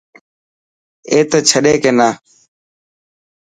اي ته ڇڏي ڪينا.